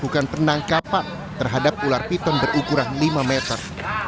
bukan penangkapan terhadap ular piton berukuran lima meter